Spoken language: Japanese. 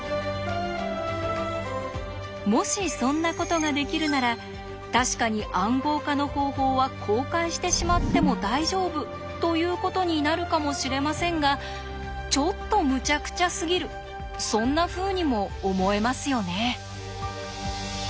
もしそんなことができるなら確かに「暗号化の方法」は公開してしまっても大丈夫ということになるかもしれませんがちょっとむちゃくちゃすぎるそんなふうにも思えますよね。